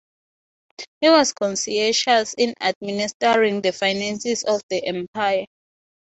He was conscientious in administering the finances of the empire.